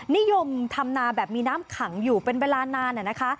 นิยมทำนาแบบมีน้ำขังอยู่เป็นเวลานานนะคะ